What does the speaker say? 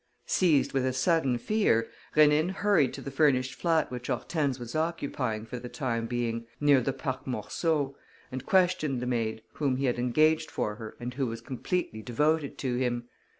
Seized with a sudden fear, Rénine hurried to the furnished flat which Hortense was occupying for the time being, near the Parc Monceau, and questioned the maid, whom he had engaged for her and who was completely devoted to him.